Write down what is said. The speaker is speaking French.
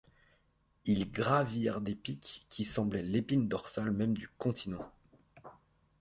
Ils gravirent des pics qui semblaient l’épine dorsale même du continent.